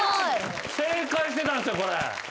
正解してたんすよこれ。